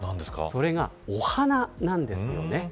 それがお花なんですよね。